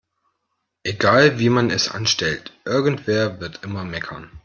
Egal wie man es anstellt, irgendwer wird immer meckern.